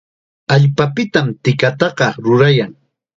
Allpapitam tikataqa rurayan.